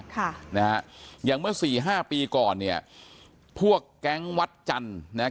ค่ะนะฮะอย่างเมื่อสี่ห้าปีก่อนเนี่ยพวกแก๊งวัดจันทร์นะฮะ